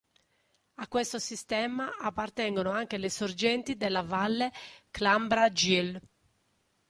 A questo sistema appartengono anche le sorgenti della valle Klambragil.